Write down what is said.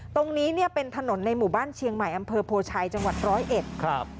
ตรงนี้เนี่ยเป็นถนนในหมู่บ้านเชียงใหม่อำเภอโพชัยจังหวัดร้อยเอ็ดครับ